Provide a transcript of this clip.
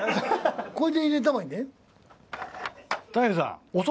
これで入れたほうがいいんだよね？